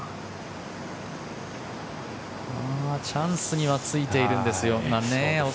チャンスにはついているんですよね。